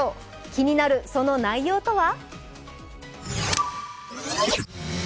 気になる、その内容とは？